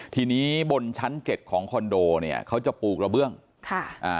ทีนี้บนชั้นเจ็ดของคอนโดเนี่ยเขาจะปลูกระเบื้องค่ะอ่า